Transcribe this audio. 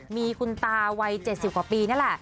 มีคุณตาวัย๗๐กว่าปีนั่นแหละ